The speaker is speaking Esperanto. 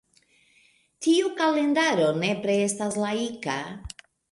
Tiu kalendaro nepre estas laika.